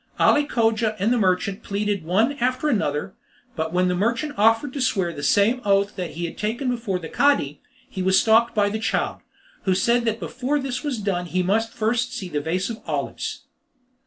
Ali Cogia and the merchant pleaded one after the other, but when the merchant offered to swear the same oath that he had taken before the Cadi, he was stopped by the child, who said that before this was done he must first see the vase of olives.